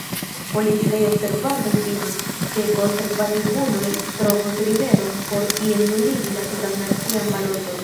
Politikaj observantoj timas, ke konservativuloj trovos rimedon por iel nuligi la tutan nacian baloton.